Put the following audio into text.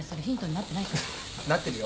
なってるよ。